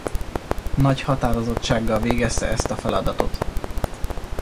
Nagy határozottsággal végezte ezt a feladatot.